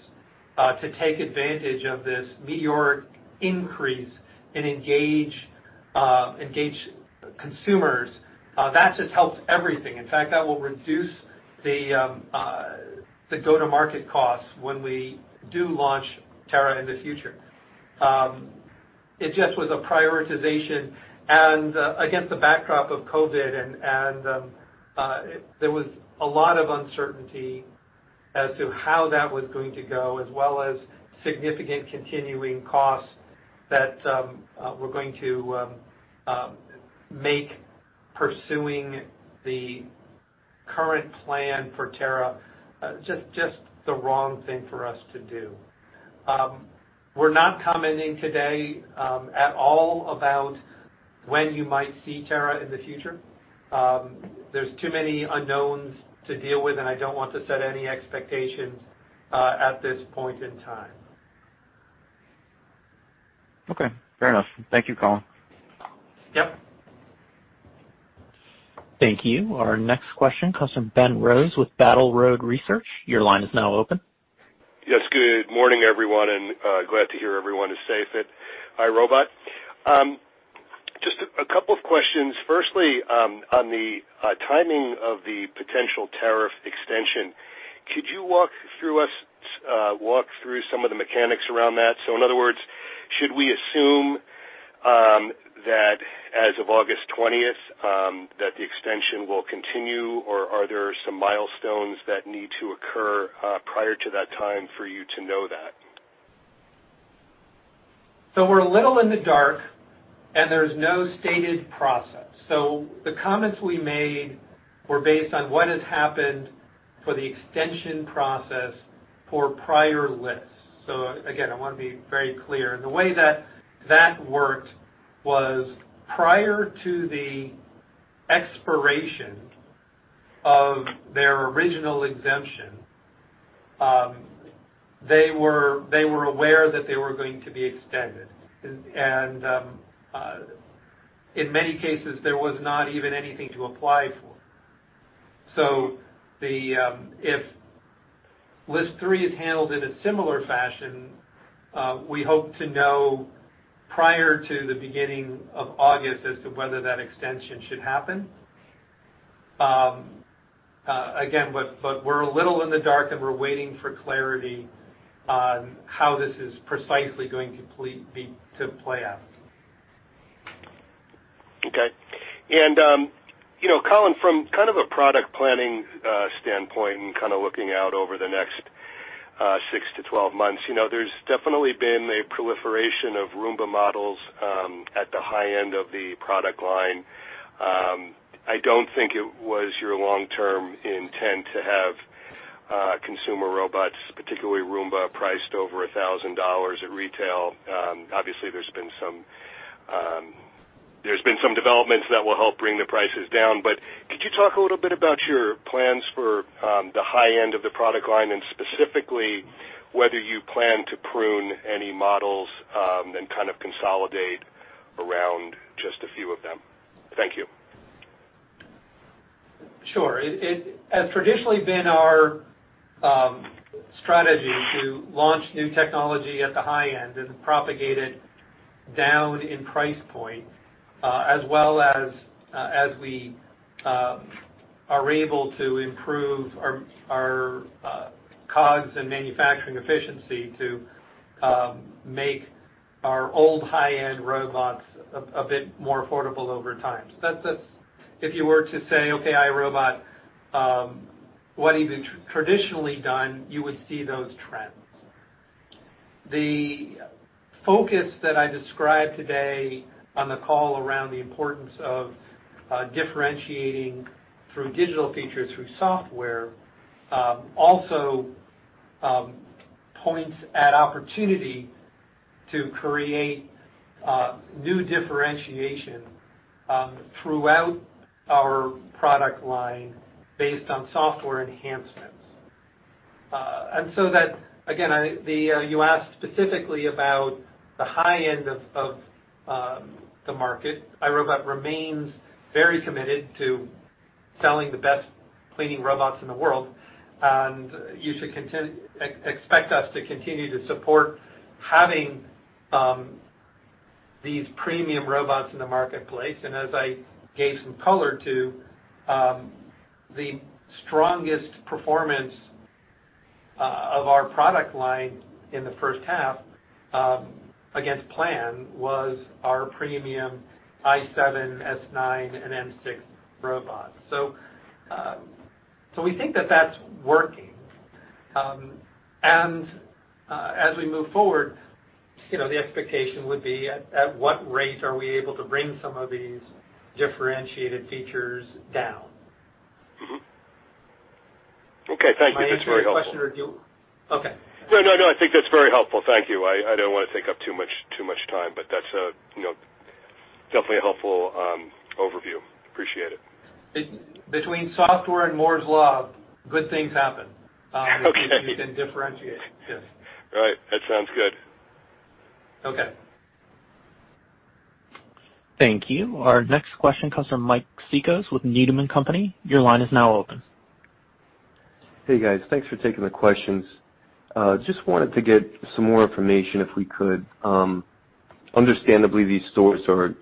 to take advantage of this meteoric increase and engage consumers, that just helps everything. In fact, that will reduce the go-to-market costs when we do launch Terra in the future. It just was a prioritization. And against the backdrop of COVID, there was a lot of uncertainty as to how that was going to go, as well as significant continuing costs that we're going to make pursuing the current plan for Terra just the wrong thing for us to do. We're not commenting today at all about when you might see Terra in the future. There's too many unknowns to deal with, and I don't want to set any expectations at this point in time. Okay. Fair enough. Thank you, Colin. Yep. Thank you. Our next question comes from Ben Rose with Battle Road Research. Your line is now open. Yes. Good morning, everyone, and glad to hear everyone is safe at iRobot. Just a couple of questions. Firstly, on the timing of the potential tariff extension, could you walk through some of the mechanics around that? So in other words, should we assume that as of August 20th, that the extension will continue, or are there some milestones that need to occur prior to that time for you to know that? We're a little in the dark, and there's no stated process. The comments we made were based on what has happened for the extension process for prior lists. Again, I want to be very clear. The way that that worked was prior to the expiration of their original exemption, they were aware that they were going to be extended. In many cases, there was not even anything to apply for. If List 3 is handled in a similar fashion, we hope to know prior to the beginning of August as to whether that extension should happen. Again, but we're a little in the dark, and we're waiting for clarity on how this is precisely going to play out. Okay. And Colin, from kind of a product planning standpoint and kind of looking out over the next six to 12 months, there's definitely been a proliferation of Roomba models at the high end of the product line. I don't think it was your long-term intent to have consumer robots, particularly Roomba, priced over $1,000 at retail. Obviously, there's been some developments that will help bring the prices down. But could you talk a little bit about your plans for the high end of the product line and specifically whether you plan to prune any models and kind of consolidate around just a few of them? Thank you. Sure. It has traditionally been our strategy to launch new technology at the high end and propagate it down in price point, as well as we are able to improve our COGS and manufacturing efficiency to make our old high-end robots a bit more affordable over time. So if you were to say, "Okay, iRobot, what have you traditionally done?" you would see those trends. The focus that I described today on the call around the importance of differentiating through digital features through software also points at opportunity to create new differentiation throughout our product line based on software enhancements. And so that, again, you asked specifically about the high end of the market. iRobot remains very committed to selling the best cleaning robots in the world, and you should expect us to continue to support having these premium robots in the marketplace. As I gave some color to the strongest performance of our product line in the first half against plan was our premium i7, s9, and m6 robots. We think that that's working. As we move forward, the expectation would be at what rate are we able to bring some of these differentiated features down. Okay. Thank you. That's very helpful. question, or do you? Okay. No, no, no. I think that's very helpful. Thank you. I don't want to take up too much time, but that's definitely a helpful overview. Appreciate it. Between software and Moore's Law, good things happen. You can differentiate. Yes. Right. That sounds good. Okay. Thank you. Our next question comes from Mike Cikos with Needham & Company. Your line is now open. Hey, guys. Thanks for taking the questions. Just wanted to get some more information if we could. Understandably, these stores are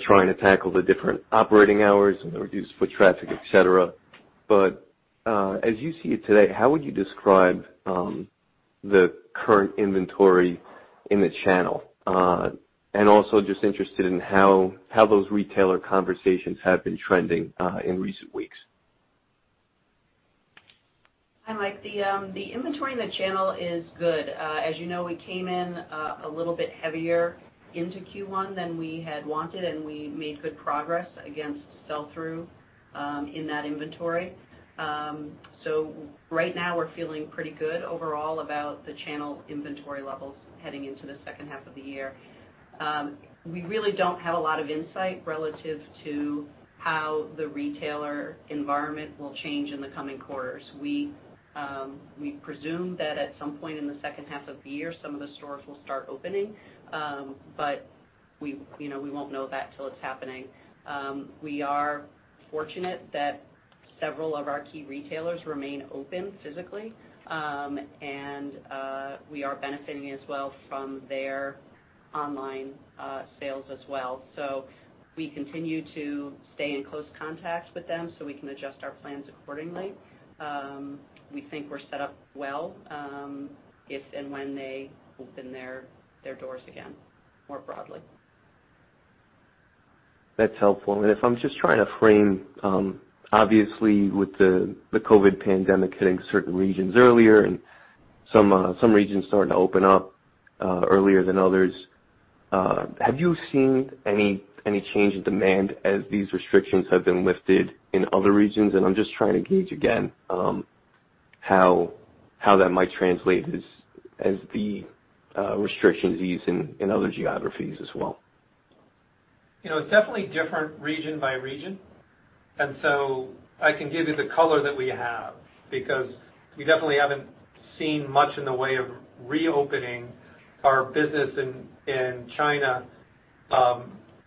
trying to tackle the different operating hours and reduce foot traffic, etc. But as you see it today, how would you describe the current inventory in the channel? And also just interested in how those retailer conversations have been trending in recent weeks. I like, the inventory in the channel is good. As you know, we came in a little bit heavier into Q1 than we had wanted, and we made good progress against sell-through in that inventory. So right now, we're feeling pretty good overall about the channel inventory levels heading into the second half of the year. We really don't have a lot of insight relative to how the retailer environment will change in the coming quarters. We presume that at some point in the second half of the year, some of the stores will start opening, but we won't know that till it's happening. We are fortunate that several of our key retailers remain open physically, and we are benefiting as well from their online sales as well. So we continue to stay in close contact with them so we can adjust our plans accordingly. We think we're set up well if and when they open their doors again more broadly. That's helpful. And if I'm just trying to frame, obviously, with the COVID pandemic hitting certain regions earlier and some regions starting to open up earlier than others, have you seen any change in demand as these restrictions have been lifted in other regions? And I'm just trying to gauge again how that might translate as the restrictions ease in other geographies as well. It's definitely different region by region. And so I can give you the color that we have because we definitely haven't seen much in the way of reopening our business in China,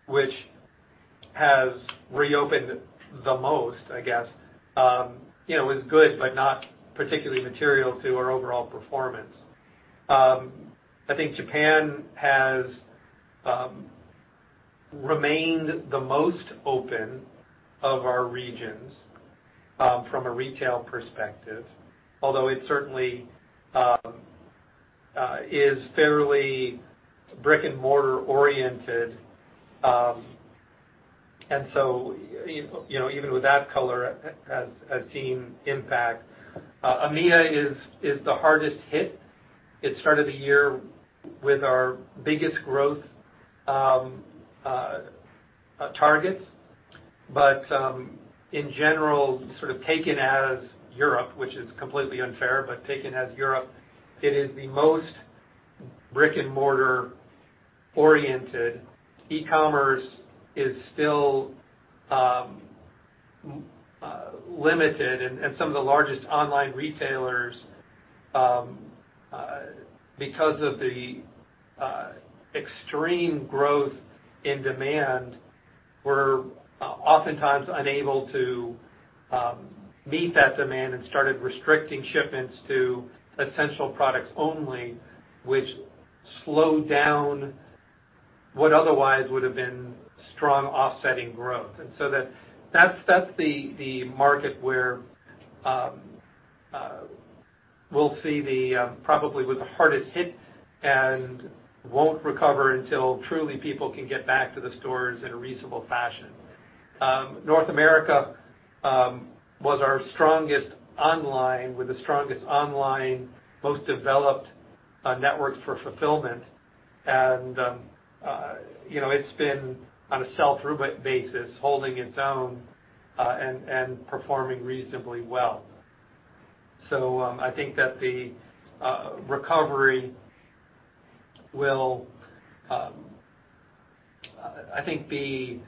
which has reopened the most. I guess is good but not particularly material to our overall performance. I think Japan has remained the most open of our regions from a retail perspective, although it certainly is fairly brick-and-mortar oriented. And so even with that color, I've seen impact. EMEA is the hardest hit. It started the year with our biggest growth targets. But in general, sort of taken as Europe, which is completely unfair, but taken as Europe, it is the most brick-and-mortar oriented. E-commerce is still limited, and some of the largest online retailers, because of the extreme growth in demand, were oftentimes unable to meet that demand and started restricting shipments to essential products only, which slowed down what otherwise would have been strong offsetting growth, and so that's the market where we'll see, probably, was the hardest hit and won't recover until truly people can get back to the stores in a reasonable fashion. North America was our strongest online with the strongest online, most developed networks for fulfillment, and it's been on a sell-through basis, holding its own and performing reasonably well, so I think that the recovery will, I think, be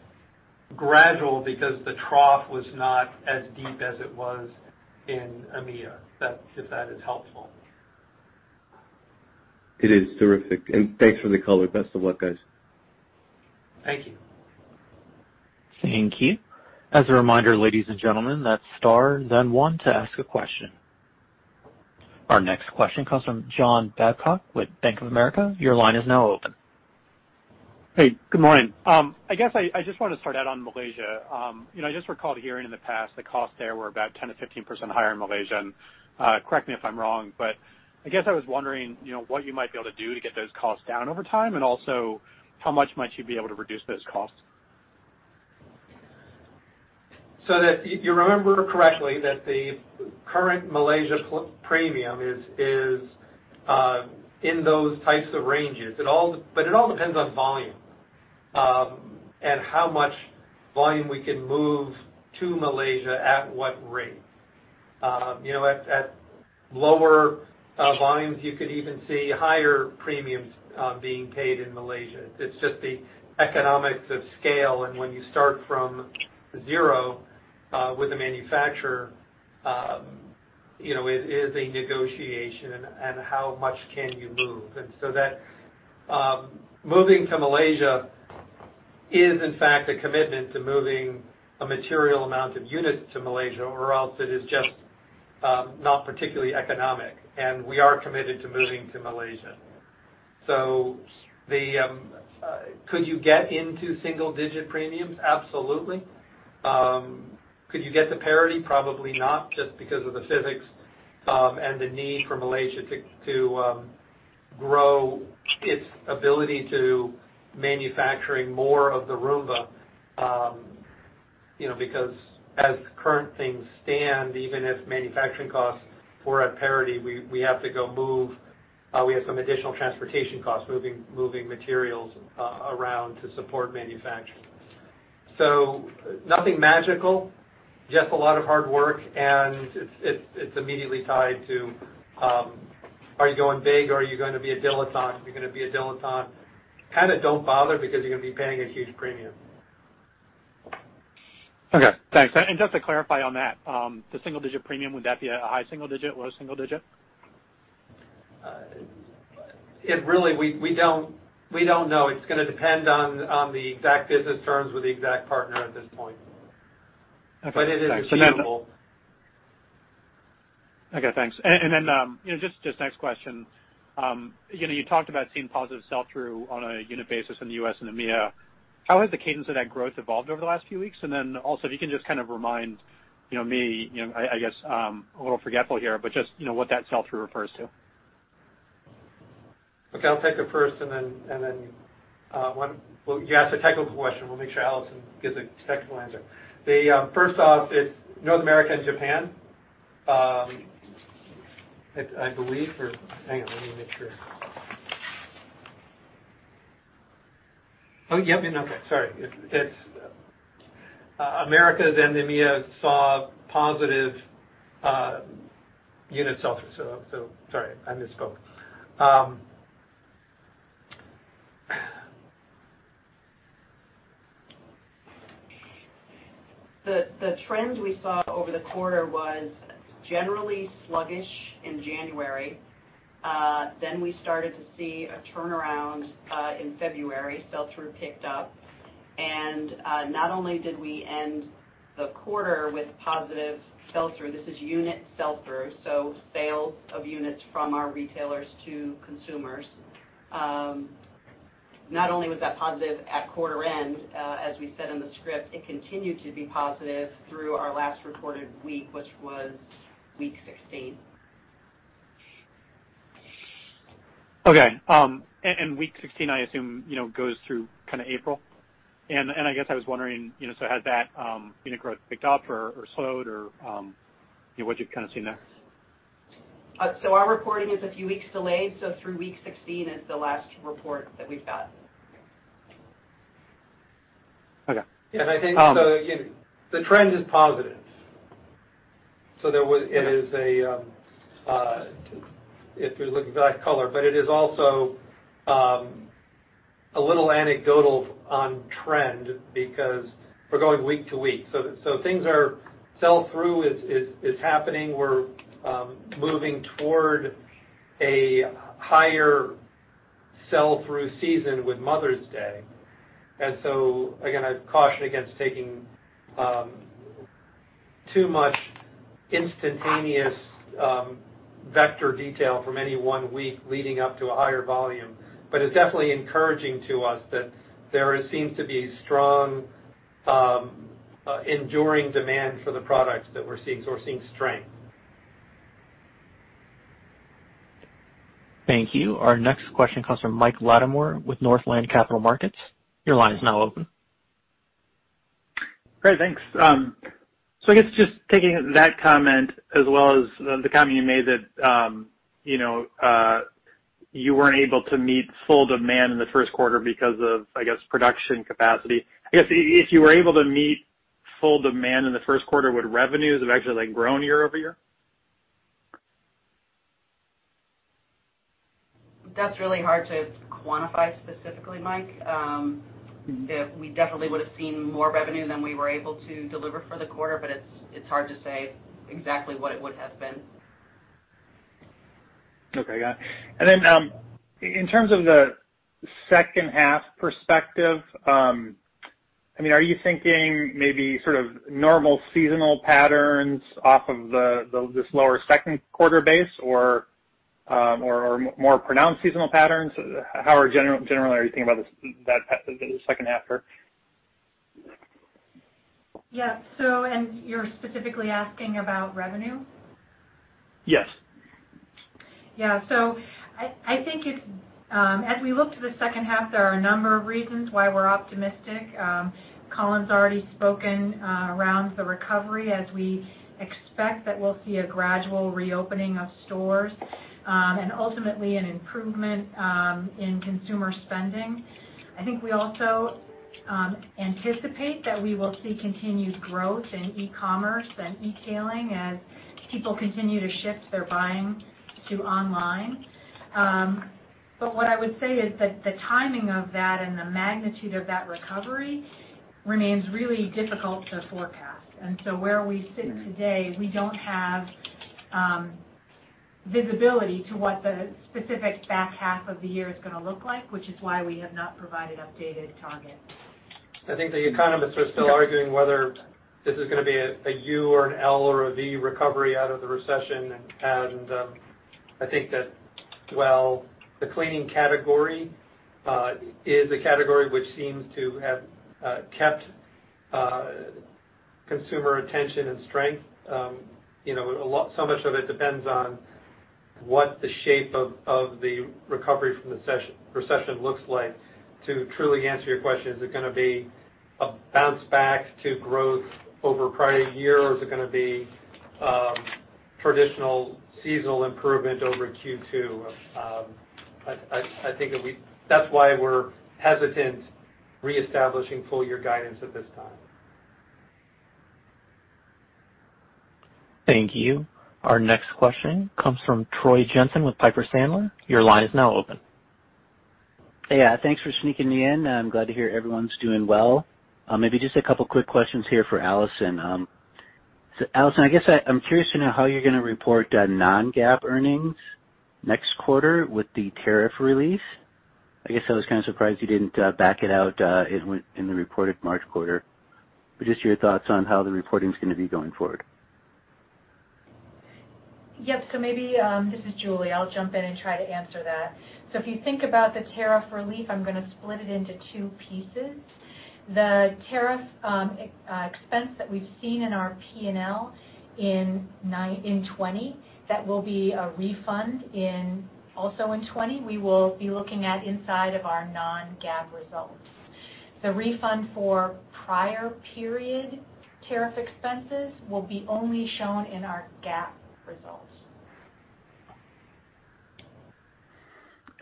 gradual because the trough was not as deep as it was in EMEA, if that is helpful. It is terrific. And thanks for the color. Best of luck, guys. Thank you. Thank you. As a reminder, ladies and gentlemen, that's star, then one to ask a question. Our next question comes from John Babcock with Bank of America. Your line is now open. Hey, good morning. I guess I just want to start out on Malaysia. I just recalled hearing in the past the costs there were about 10%-15% higher in Malaysia. And correct me if I'm wrong, but I guess I was wondering what you might be able to do to get those costs down over time and also how much might you be able to reduce those costs? So that you remember correctly that the current Malaysia premium is in those types of ranges. But it all depends on volume and how much volume we can move to Malaysia at what rate. At lower volumes, you could even see higher premiums being paid in Malaysia. It's just the economies of scale. And when you start from zero with a manufacturer, it is a negotiation and how much can you move. And so that moving to Malaysia is, in fact, a commitment to moving a material amount of units to Malaysia, or else it is just not particularly economic. And we are committed to moving to Malaysia. So could you get into single-digit premiums? Absolutely. Could you get the parity? Probably not, just because of the physics and the need for Malaysia to grow its ability to manufacture more of the Roomba because as current things stand, even if manufacturing costs were at parity, we have to go move. We have some additional transportation costs moving materials around to support manufacturing. So nothing magical, just a lot of hard work, and it's immediately tied to, "Are you going big? Are you going to be a dilettante? Are you going to be a dilettante?" Kind of don't bother because you're going to be paying a huge premium. Okay. Thanks. And just to clarify on that, the single-digit premium, would that be a high single-digit or a low single-digit? Really, we don't know. It's going to depend on the exact business terms with the exact partner at this point. But it is achievable. Okay. Thanks. And then just next question. You talked about seeing positive sell-through on a unit basis in the U.S. and EMEA. How has the cadence of that growth evolved over the last few weeks? And then also, if you can just kind of remind me, I guess a little forgetful here, but just what that sell-through refers to. Okay. I'll take it first, and then you ask a technical question. We'll make sure Alison gives a technical answer. First off, it's North America and Japan, I believe, or hang on. Let me make sure. Oh, yep. Okay. Sorry. It's America and EMEA saw positive unit sell-through. So sorry, I misspoke. The trend we saw over the quarter was generally sluggish in January, then we started to see a turnaround in February. Sell-through picked up, and not only did we end the quarter with positive sell-through, this is unit sell-through, so sales of units from our retailers to consumers. Not only was that positive at quarter end, as we said in the script, it continued to be positive through our last reported week, which was week 16. Okay, and week 16, I assume, goes through kind of April? And I guess I was wondering, so has that unit growth picked up or slowed, or what you've kind of seen there? So our reporting is a few weeks delayed. So through week 16 is the last report that we've got. Okay. Yeah. So the trend is positive. So it is, if you're looking for that color, but it is also a little anecdotal on trend because we're going week to week. So sell-through is happening. We're moving toward a higher sell-through season with Mother's Day. And so again, I'd caution against taking too much instantaneous vector detail from any one week leading up to a higher volume. But it's definitely encouraging to us that there seems to be strong enduring demand for the products that we're seeing. So we're seeing strength. Thank you. Our next question comes from Mike Latimore with Northland Capital Markets. Your line is now open. Great. Thanks. So I guess just taking that comment as well as the comment you made that you weren't able to meet full demand in the first quarter because of, I guess, production capacity. I guess if you were able to meet full demand in the first quarter, would revenues have actually grown year-over-year? That's really hard to quantify specifically, Mike. We definitely would have seen more revenue than we were able to deliver for the quarter, but it's hard to say exactly what it would have been. Okay. Got it. And then in terms of the second-half perspective, I mean, are you thinking maybe sort of normal seasonal patterns off of this lower second-quarter base or more pronounced seasonal patterns? How generally are you thinking about the second half here? Yeah. And you're specifically asking about revenue? Yes. Yeah. So I think as we look to the second half, there are a number of reasons why we're optimistic. Colin's already spoken around the recovery as we expect that we'll see a gradual reopening of stores and ultimately an improvement in consumer spending. I think we also anticipate that we will see continued growth in e-commerce and e-tailing as people continue to shift their buying to online. But what I would say is that the timing of that and the magnitude of that recovery remains really difficult to forecast. And so where we sit today, we don't have visibility to what the specific back half of the year is going to look like, which is why we have not provided updated targets. I think the economists are still arguing whether this is going to be a U or an L or a V recovery out of the recession. And I think that, well, the cleaning category is a category which seems to have kept consumer attention and strength. So much of it depends on what the shape of the recovery from the recession looks like. To truly answer your question, is it going to be a bounce back to growth over prior year, or is it going to be traditional seasonal improvement over Q2? I think that's why we're hesitant reestablishing full-year guidance at this time. Thank you. Our next question comes from Troy Jensen with Piper Sandler. Your line is now open. Hey, yeah. Thanks for sneaking in. I'm glad to hear everyone's doing well. Maybe just a couple of quick questions here for Alison. Alison, I guess I'm curious to know how you're going to report Non-GAAP earnings next quarter with the tariff release. I guess I was kind of surprised you didn't back it out in the reported March quarter. But just your thoughts on how the reporting is going to be going forward. Yep. So maybe this is Julie. I'll jump in and try to answer that. So if you think about the tariff relief, I'm going to split it into two pieces. The tariff expense that we've seen in our P&L in 2020, that will be a refund also in 2020. We will be looking at inside of our non-GAAP results. The refund for prior period tariff expenses will be only shown in our GAAP results.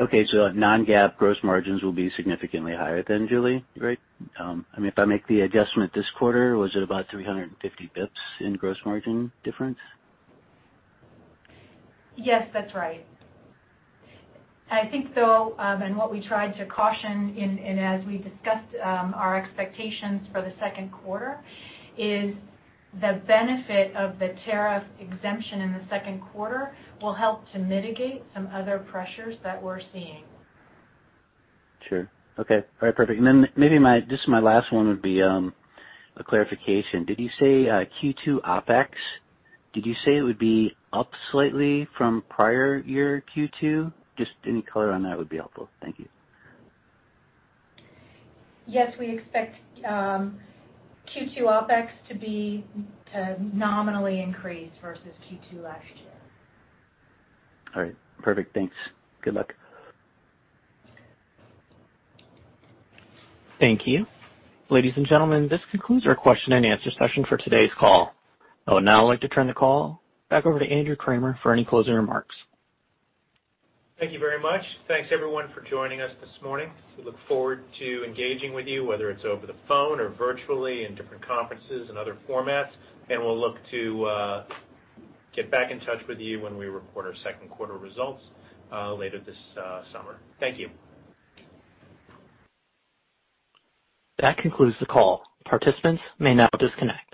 Okay. So non-GAAP gross margins will be significantly higher then, Julie? Great. I mean, if I make the adjustment this quarter, was it about 350 basis points in gross margin difference? Yes, that's right. I think, though, and what we tried to caution in as we discussed our expectations for the second quarter is the benefit of the tariff exemption in the second quarter will help to mitigate some other pressures that we're seeing. Sure. Okay. All right. Perfect. And then maybe this is my last one would be a clarification. Did you say Q2 OpEx? Did you say it would be up slightly from prior year Q2? Just any color on that would be helpful. Thank you. Yes, we expect Q2 OpEx to be nominally increased versus Q2 last year. All right. Perfect. Thanks. Good luck. Thank you. Ladies and gentlemen, this concludes our question and answer session for today's call. I would now like to turn the call back over to Andrew Kramer for any closing remarks. Thank you very much. Thanks, everyone, for joining us this morning. We look forward to engaging with you, whether it's over the phone or virtually in different conferences and other formats. And we'll look to get back in touch with you when we report our second quarter results later this summer. Thank you. That concludes the call. Participants may now disconnect.